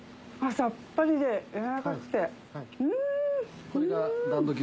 さっぱりでやわらかくてうん！